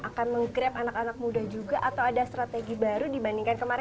akan menggrab anak anak muda juga atau ada strategi baru dibandingkan kemarin